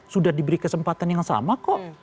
sudah diberi kesempatan yang sama kok